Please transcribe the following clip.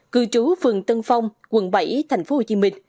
cư trú phường tân phong quận bảy tp hcm